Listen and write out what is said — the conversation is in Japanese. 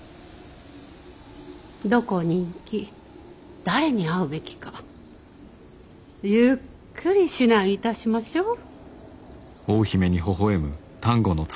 どこに行き誰に会うべきかゆっくり指南いたしましょう。